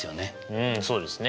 うんそうですね。